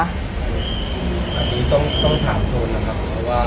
อันนี้ต้องถามโทนนะครับเพราะว่า